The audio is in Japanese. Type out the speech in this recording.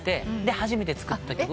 初めて作った曲が。